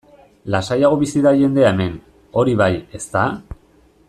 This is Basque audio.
Lasaiago bizi da jendea hemen, hori bai, ezta?